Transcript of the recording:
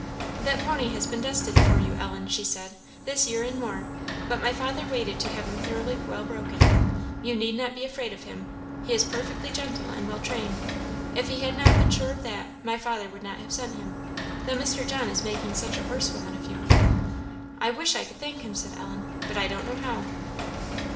"That pony has been destined for you, Ellen," she said, "this year and more; but my father waited to have him thoroughly well broken. You need not be afraid of him! he is perfectly gentle and well trained; if he had not been sure of that, my father would never have sent him though Mr. John is making such a horsewoman of you." "I wish I could thank him," said Ellen, "but I don't know how."